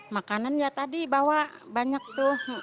makanan ya tadi bawa banyak tuh